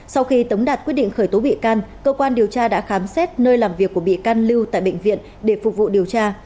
sau khi tống đạt quyết định khởi tố bị can cơ quan điều tra đã khám xét nơi làm việc của bị can lưu tại bệnh viện để phục vụ điều tra